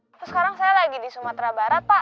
terus sekarang saya lagi di sumatera barat pak